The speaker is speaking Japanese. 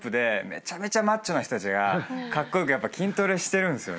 めちゃめちゃマッチョな人たちがカッコ良く筋トレしてるんすよね。